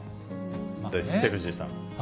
ですって、藤井さん。